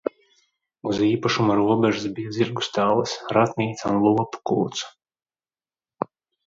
Uz īpašuma robežas bija zirgu stallis, ratnīca un lopu kūts.